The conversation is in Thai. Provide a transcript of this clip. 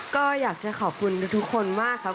ก็อยากจะขอบคุณทุกคนมากครับ